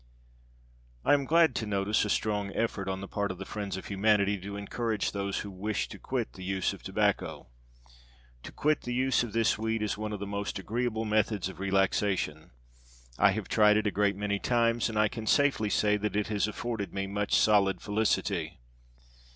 I am glad to notice a strong effort on the part of the friends of humanity to encourage those who wish to quit the use of tobacco. To quit the use of this weed is one of the most agreeable methods of relaxation. I have tried it a great many times, and I can safely say that it has afforded me much solid felicity.